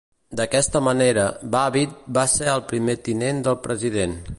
D"aquesta manera, Babbitt va ser el primer tinent del president.